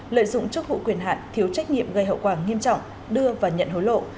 lợi dụng chức vụ quyền hạn thiếu trách nhiệm gây hậu quả nghiêm trọng đưa và nhận hối lộ